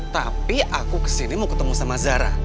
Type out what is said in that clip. tapi aku ke sini mau ketemu sama zara